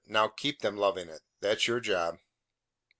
Now keep them loving it. That's your job."